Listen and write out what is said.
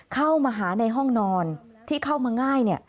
เข้ามาหาในห้องนอนที่เข้ามาง่าย